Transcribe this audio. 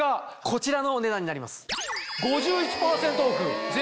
こちらのお値段になります。